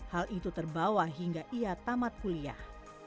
hal itu terbawa hingga ia tamat kuliah